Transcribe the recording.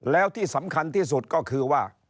แล้วที่สำคัญที่สุดก็คือว่า